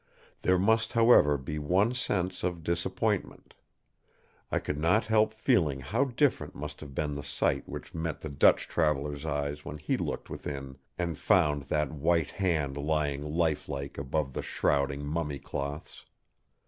There must, however, be one sense of disappointment. I could not help feeling how different must have been the sight which met the Dutch traveller's eyes when he looked within and found that white hand lying lifelike above the shrouding mummy cloths.